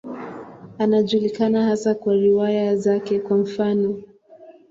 Anajulikana hasa kwa riwaya zake, kwa mfano.